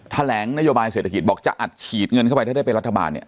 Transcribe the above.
แถลงนโยบายเศรษฐกิจบอกจะอัดฉีดเงินเข้าไปถ้าได้เป็นรัฐบาลเนี่ย